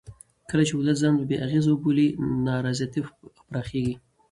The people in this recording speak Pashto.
کله چې ولس ځان بې اغېزې وبولي نا رضایتي پراخېږي